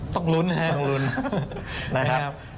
ต้องรุ้นนะครับ